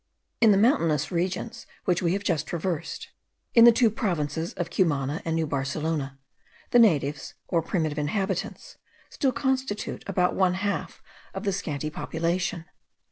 In the mountainous regions which we have just traversed, in the two provinces of Cumana and New Barcelona, the natives, or primitive inhabitants, still constitute about one half of the scanty population.